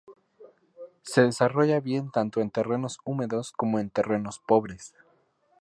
Se desarrolla bien tanto en terrenos húmedos como en terrenos pobres.